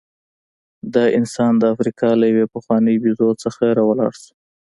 دا انسان د افریقا له یوې پخوانۍ بیزو څخه راولاړ شو.